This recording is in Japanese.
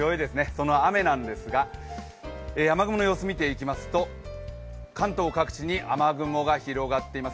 その雨なんですが、雨雲の様子を見ていきますと関東各地に雨雲が広がっています。